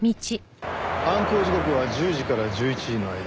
犯行時刻は１０時から１１時の間。